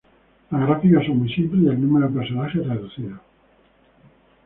Las gráficas son muy simples y el número de personajes reducido.